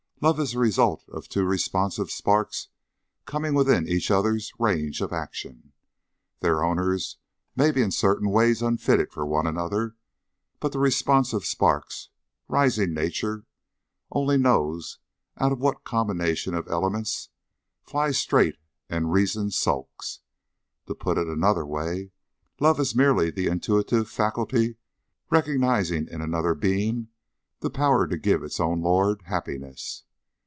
Love is the result of two responsive sparks coming within each other's range of action. Their owners may be in certain ways unfitted for one another, but the responsive sparks, rising Nature only knows out of what combination of elements, fly straight, and Reason sulks. To put it in another way: Love is merely the intuitive faculty recognizing in another being the power to give its own lord happiness.